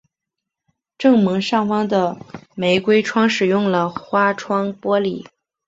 正门上方的玫瑰窗使用了花窗玻璃。